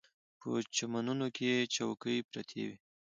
په چمنونو کې چوکۍ پرتې وې.